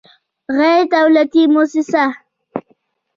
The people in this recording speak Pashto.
غیر دولتي موسسه